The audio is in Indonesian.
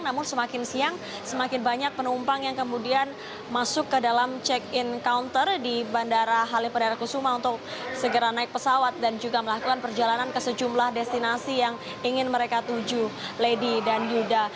namun semakin siang semakin banyak penumpang yang kemudian masuk ke dalam check in counter di bandara halim perdana kusuma untuk segera naik pesawat dan juga melakukan perjalanan ke sejumlah destinasi yang ingin mereka tuju lady dan yuda